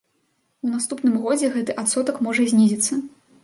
У наступным годзе гэты адсотак можа знізіцца.